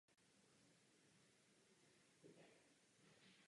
Young zde založil první pilu a mlýn.